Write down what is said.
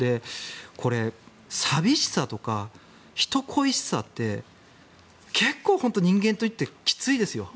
これ、寂しさとか人恋しさって結構本当に人間にとってきついですよ。